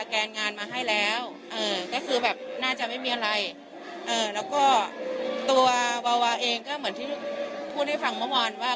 ต้องหาเพื่อนไปเขาน่าจะยังไม่พร้อมที่จะตอบคำถามอะไรมากกว่า